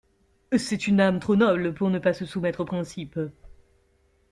C'est une âme trop noble pour ne pas se soumettre aux principes.